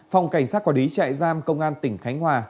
phòng cảnh sát quả lý chạy giam công an tỉnh khánh hòa